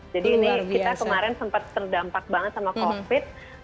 jadi ini kita kemarin sempat terdampak banget sama covid